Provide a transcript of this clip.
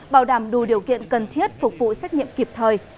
bảo đảm đủ điều kiện cần thiết phục vụ xét nghiệm kịp thời